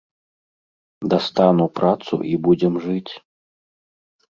Дастану працу і будзем жыць.